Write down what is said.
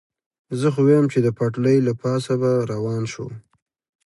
زه خو وایم، چې د پټلۍ له پاسه به روان شو.